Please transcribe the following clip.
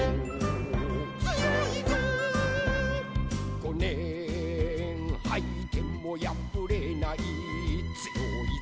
「ごねんはいてもやぶれないつよいぞ」